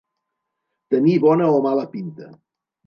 Tenir bona o mala pinta.